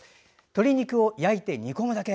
鶏肉を焼いて煮込むだけ。